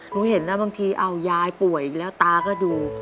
หนูเห็นนะบางทีเอายายป่วยแล้วตาก็ดู